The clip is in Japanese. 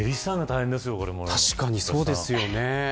確かにそうですよね。